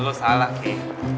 lo salah ki